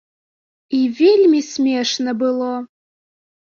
І вельмі смешна было!